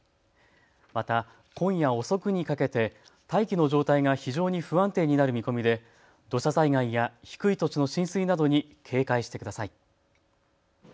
また、今夜遅くにかけて大気の状態が非常に不安定になる見込みで土砂災害や低い土地の浸水などに警戒してください。